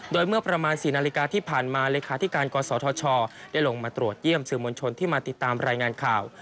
โดยเมื่อประมาณ๔นาฬิกาที่ผ่านมาเลขาธิการกศธชได้ลงมาตรวจเยี่ยมสื่อมวลชนที่มาติดตามรายงานข่าว